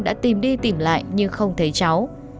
đã tìm đi tìm lại nhưng không thấy cháu